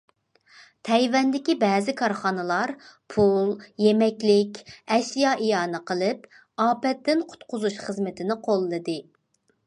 تەيۋەندىكى بەزى كارخانىلار پۇل، يېمەكلىك، ئەشيا ئىئانە قىلىپ، ئاپەتتىن قۇتقۇزۇش خىزمىتىنى قوللىدى.